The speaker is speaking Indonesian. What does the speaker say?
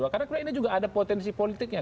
karena ini juga ada potensi politiknya